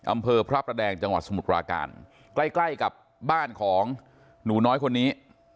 อำเภอพระประแดงจังหวัดสมุทรปราการใกล้ใกล้กับบ้านของหนูน้อยคนนี้